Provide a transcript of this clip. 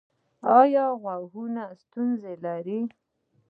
ایا د غوږونو ستونزه لرئ؟